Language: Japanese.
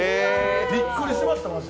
びっくりしました、マジで。